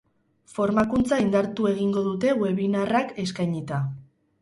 Formakuntza indartu egingo dute webinarrak eskainita.